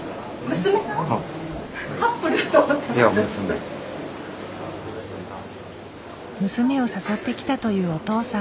娘を誘ってきたというお父さん。